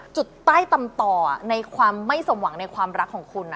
จุดใต้ตำต่อในความไม่สมหวังในความรักของคุณ